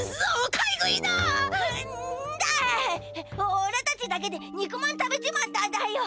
おらたちだけで肉まん食べちまっただよ。